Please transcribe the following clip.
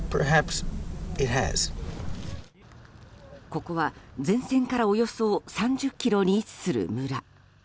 ここは前線からおよそ３０ｋｍに位置する村。